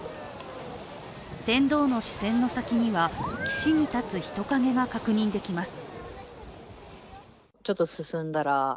船頭の視線の先には岸に立つ人影が確認できます。